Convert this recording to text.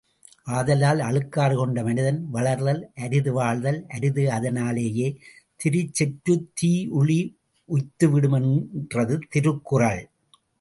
ஆதலால் அழுக்காறு கொண்ட மனிதன் வளர்தல் அரிது வாழ்தல் அரிது அதனாலேயே திருச்செற்றுத் தீயுழி உய்த்துவிடும் என்றது திருக்குறள்.